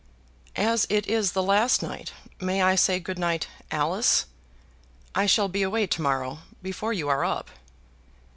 "As it is the last night, may I say good night, Alice? I shall be away to morrow before you are up."